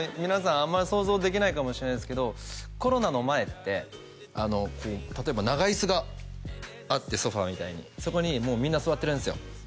あんまり想像できないかもしれないですけどコロナの前って例えば長椅子があってソファーみたいにそこにもうみんな座ってるんですよ